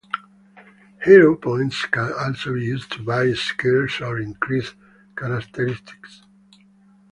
Hero Points can also be used to buy skills or increase characteristics.